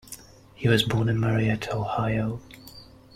He was born in Marietta, Ohio.